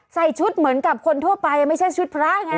ใส่ชุดเหมือนกับคนทั่วไปไม่ใช่ชุดพระไง